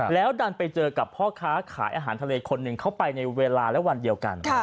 แล้วดันไปเจอกับพ่อค้าขายอาหารทะเลคนหนึ่งเข้าไปในเวลาและวันเดียวกัน